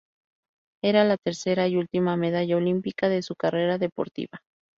Era la tercera y última medalla olímpica de su carrera deportiva.